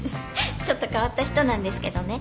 ちょっと変わった人なんですけどね。